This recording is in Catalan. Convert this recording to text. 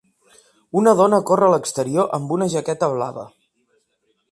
Una dona corre a l'exterior amb una jaqueta blava.